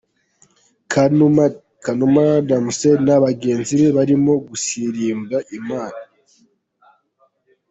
Kanuma Damascene na bagenzi be barimo gusirimbira Imana.